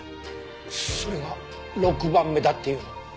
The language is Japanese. それが６番目だっていうの？